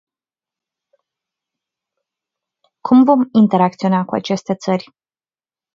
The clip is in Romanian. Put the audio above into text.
Cum vom interacționa cu aceste țări?